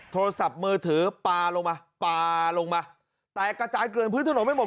โทรศัพท์มือถือปลาลงมาปลาลงมาแตกกระจายเกลือนพื้นถนนไปหมด